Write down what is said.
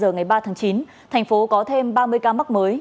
ngày ba tháng chín thành phố có thêm ba mươi ca mắc mới